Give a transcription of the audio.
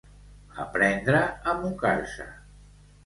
Aprendre a mocar-se.